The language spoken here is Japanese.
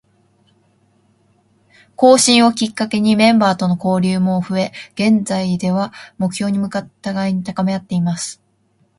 更新をきっかけにメンバーとの交流も増え、現在では、目標に向かって互いに高めあっています。